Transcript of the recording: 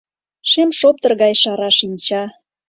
Шем шоптыр гай шара шинча